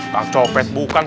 pak copet bukan